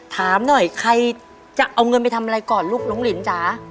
ถามหน่อยใครจะเอาเงินไปทำอะไรก่อนลูกน้องลินจ๋า